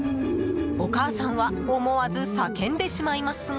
お母さんは思わず叫んでしまいますが。